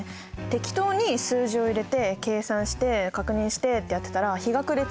適当に数字を入れて計算して確認してってやってたら日が暮れちゃうよね。